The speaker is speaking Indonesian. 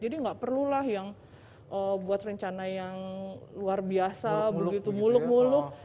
jadi nggak perlulah yang buat rencana yang luar biasa muluk muluk